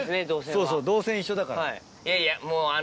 そうそう動線一緒だから。